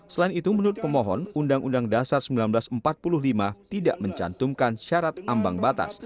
selain itu menurut pemohon undang undang dasar seribu sembilan ratus empat puluh lima tidak mencantumkan syarat ambang batas